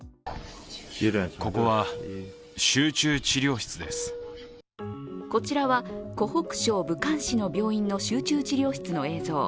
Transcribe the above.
こちらは湖北省武漢市の病院の集中治療室の映像。